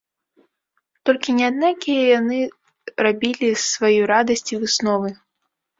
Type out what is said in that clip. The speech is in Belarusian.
Толькі не аднакія яны рабілі з сваёй радасці высновы.